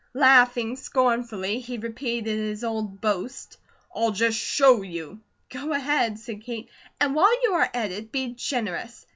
Laughing scornfully, he repeated his old boast: "I'll just show you!" "Go ahead," said Kate. "And while you are at it, be generous.